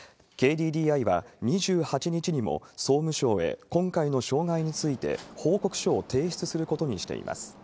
ＫＤＤＩは２８日にも、総務省へ今回の障害について報告書を提出することにしています。